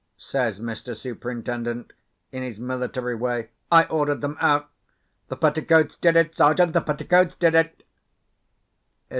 says Mr. Superintendent in his military way. "I ordered them out. The petticoats did it, Sergeant—the petticoats did it."